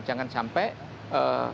jangan sampai ee